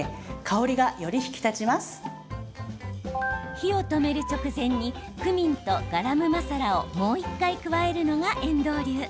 火を止める直前にクミンとガラムマサラをもう１回加えるのが遠藤流。